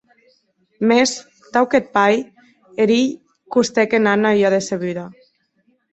Mès, tau qu'eth pair, eth hilh costèc en Anna ua decebuda.